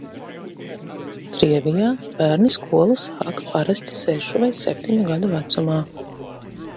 In Russia, children usually start school at the age of six or seven.